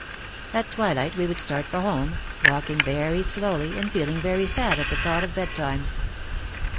At twilight we would start for home, walking very slowly and feeling very sad at the thought of bed time.